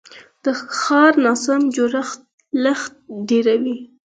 د ښار ناسم جوړښت لګښت ډیروي.